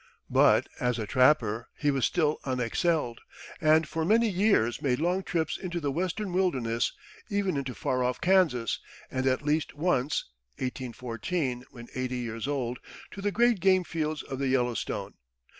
But as a trapper he was still unexcelled, and for many years made long trips into the Western wilderness, even into far off Kansas, and at least once (1814, when eighty years old) to the great game fields of the Yellowstone.